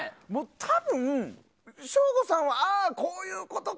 多分、省吾さんはああ、こういうことか。